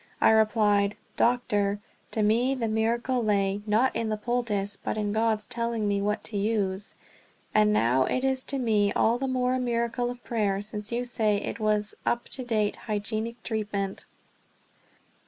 I replied: "Doctor, to me the miracle lay, not in the poultice, but in God's telling me what to use; and now it is to me all the more a miracle of prayer, since you say it was up to date hygienic treatment."